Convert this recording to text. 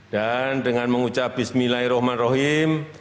dan dengan mengucap bismillahirrahmanirrahim